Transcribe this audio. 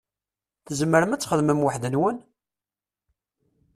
Tzemrem ad txedmem weḥd-nwen?